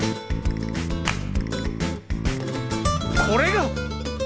これが！